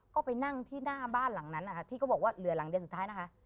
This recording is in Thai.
ก็ไปนั่งที่หน้าบ้านหลังนั้นนะคะที่เขาบอกว่าเหลือหลังเดือนสุดท้ายนะคะ